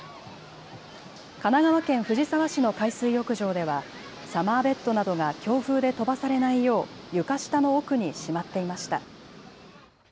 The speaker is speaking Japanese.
神奈川県藤沢市の海水浴場ではサマーベッドなどが強風で飛ばされないよう床下の奥にしまっていました。